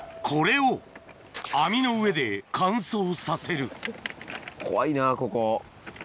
これを網の上で乾燥させる怖いなここ。